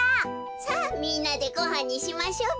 さあみんなでごはんにしましょベ。